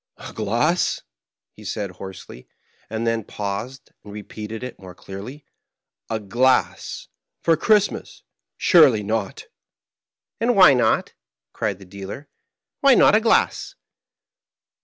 "A glass," he said, hoarsely, and then paused, and repeated it more clearly. "A glass! For Christmas! Surely not!" " And why not ?" cried the dealer. " Why not a glass